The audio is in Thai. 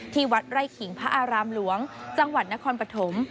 ที่วัดไร่ขิงพระอารามหลวงจังหวัดนครปฐม